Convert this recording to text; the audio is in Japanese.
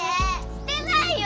してないよ！